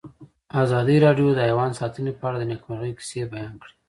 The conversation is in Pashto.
ازادي راډیو د حیوان ساتنه په اړه د نېکمرغۍ کیسې بیان کړې.